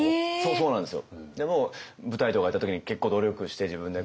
そうなんですよ。